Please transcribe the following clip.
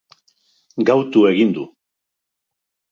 Gautu egin du